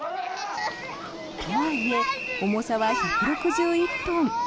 とはいえ、重さは１６１トン。